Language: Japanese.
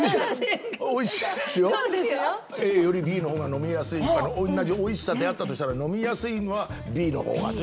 ＡよりＢのほうが飲みやすい同じおいしさであったとしたら飲みやすいのはＢのほうがというのはまず。